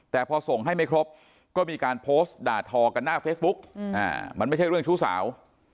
แต่พอส่งให้ไม่ครบก็มีการโพสต์ด่าทอกันหน้าเฟซบุ๊กมันไม่ใช่เรื่องชู้สาว